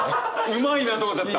うまいなと思っちゃった。